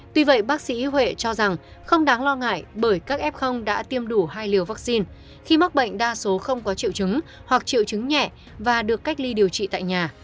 tuy vậy bác sĩ huệ cho rằng không đáng lo ngại bởi các f đã tiêm đủ hai liều vaccine khi mắc bệnh đa số không có triệu chứng hoặc triệu chứng nhẹ và được cách ly điều trị tại nhà